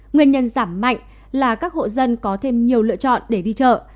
nguyên nhân giảm mạnh là các hộ dân có thêm nhiều lựa chọn để đi chợ